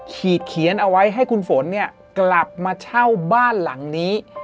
ขีดเขียนเอาไว้ให้คุณฝนกลับมาเช่าบ้านหลังนี้